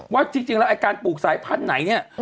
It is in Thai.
ว่าจริงแล้วไอ้การปลูกสายพันธุ์ไหนเนี่ย